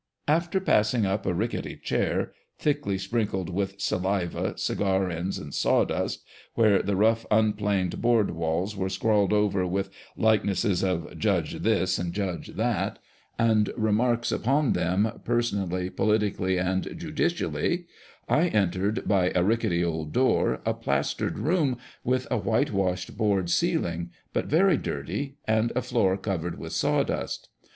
After passing up a ricketty stair, thickly sprinkled witl^ saliva, cigar ends, and sawdust, where the rough un planed board walls were scrawled over with likenesses of "Judge" This and "Judge" That, and remarks upon them, personally, politically, and judicially, I entered, by a ricketty old door, a plastered room with a whitewashed board ceiling, but very dirty, and a floor covered with sawdust.